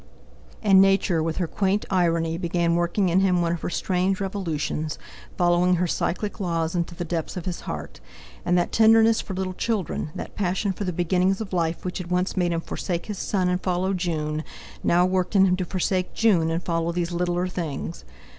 And Nature with her quaint irony began working in him one of her strange revolutions, following her cyclic laws into the depths of his heart. And that tenderness for little children, that passion for the beginnings of life which had once made him forsake his son and follow June, now worked in him to forsake June and follow these littler things.